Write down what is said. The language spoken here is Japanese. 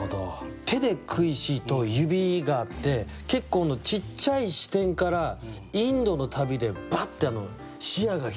「手で食いし」と「指」があって結構ちっちゃい視点から「インドの旅」でバッて視野が広がる感じがして。